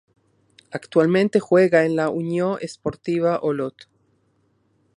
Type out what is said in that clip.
Actualmente juega en la Unió Esportiva Olot.